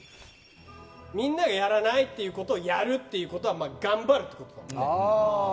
みんながやらないっていうことをやるっていうことは頑張るってことだから。